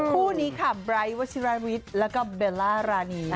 คู่นี้ค่ะไบร์ทวัชิราวิทย์แล้วก็เบลล่ารานี